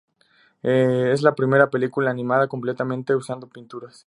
Es la primera película animada completamente usando pinturas.